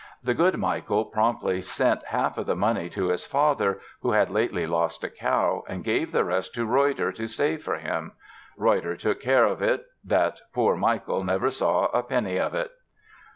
The good Michael promptly sent half of the money to his father, who had lately lost a cow, and gave the rest to Reutter to save for him. Reutter took such care of it that poor Michael never saw a penny of it!